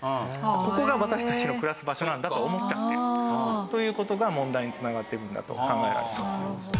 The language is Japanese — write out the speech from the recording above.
ここが私たちの暮らす場所なんだと思っちゃってという事が問題に繋がっているんだと考えられます。